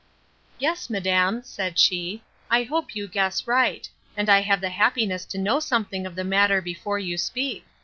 Yes, madam, said she, I hope you guess right; and I have the happiness to know something of the matter before you speak.